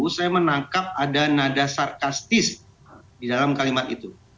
saya menangkap ada nada sarkastis di dalam kalimat itu